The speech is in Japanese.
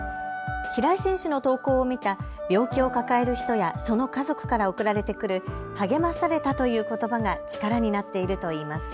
平井選手の投稿を見た病気を抱える人やその家族から送られてくる励まされたということばが力になっているといいます。